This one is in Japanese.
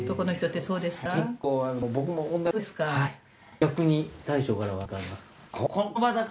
逆に大将からは何かありますか？